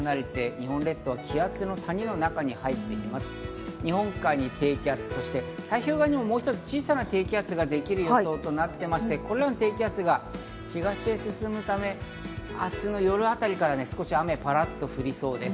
日本海に低気圧、そして太平洋側にも小さな低気圧ができる予想となっていまして、これらの低気圧が東へ進むため、明日の夜あたりから雨がパラっと降りそうです。